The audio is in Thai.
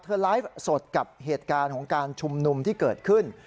ไลฟ์สดกับเหตุการณ์ของการชุมนุมที่เกิดขึ้น